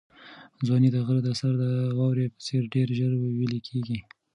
ځواني د غره د سر د واورې په څېر ډېر ژر ویلې کېږي.